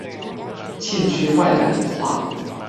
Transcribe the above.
欠缺外來文化